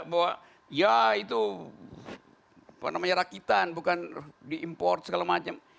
bahwa ya itu rakitan bukan diimport segala macam